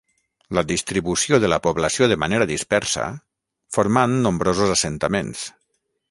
La distribució de la població de manera dispersa, formant nombrosos assentaments.